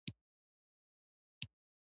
بزګان د افغانستان د اقلیمي نظام ښکارندوی ده.